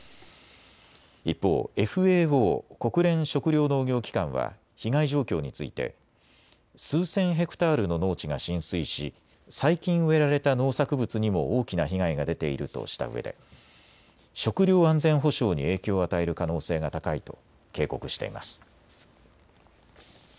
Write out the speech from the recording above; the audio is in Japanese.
一方、ＦＡＯ・国連食糧農業機関は被害状況について数千ヘクタールの農地が浸水し最近植えられた農作物にも大きな被害が出ているとしたうえで食料安全保障に影響を与える可能性が高いと警告しています。